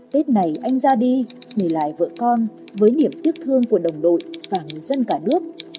tết này anh ra đi để lại vợ con với niềm tiếc thương của đồng đội và người dân cả nước